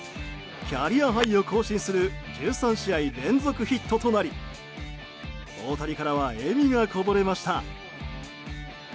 キャリアハイを更新する１３試合連続ヒットとなり大谷からは笑みがこぼれました。